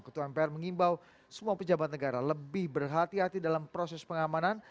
ketua mpr mengimbau semua pejabat negara lebih berhati hati dalam proses pengamanan